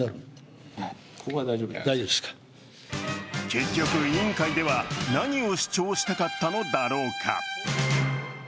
結局、委員会では何を主張したかったのだろうか。